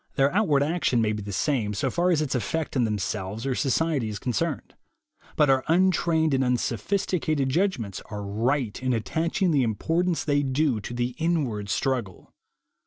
Their outward action may be the same, so far as its effect on themselves or society is con cerned; but our untrained and unsophisticated judgments are right in attaching the importance they do to the inward struggle.